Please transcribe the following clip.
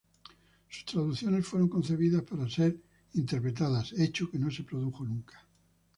Sus traducciones fueron concebidas para ser interpretadas, hecho que no se produjo nunca.